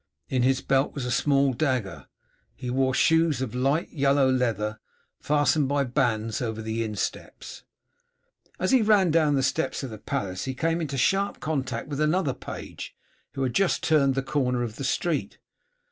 In his belt was a small dagger. He wore shoes of light yellow leather fastened by bands over the insteps. As he ran down the steps of the palace he came into sharp contact with another page who had just turned the corner of the street.